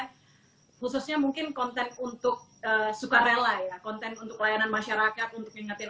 konten khususnya mungkin konten untuk sukarela ya konten untuk layanan masyarakat untuk ingetin